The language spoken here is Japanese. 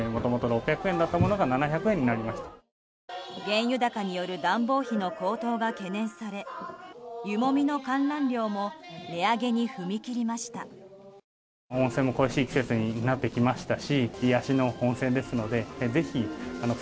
原油高による暖房費の高騰が懸念され湯もみの観覧料も値上げに踏み切りました。